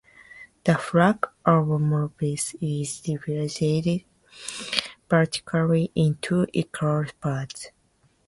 The flag of Morovis is divided vertically in two equal parts.